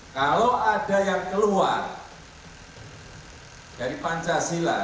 kalau ada yang keluar dari pancasila